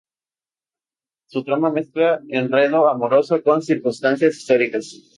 Su trama mezcla enredo amoroso con circunstancias históricas.